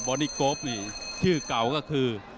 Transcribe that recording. อดี้โกฟนี่ชื่อเก่าก็คือ